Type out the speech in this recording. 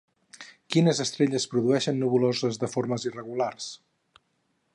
Quines estrelles produeixen nebuloses de formes irregulars?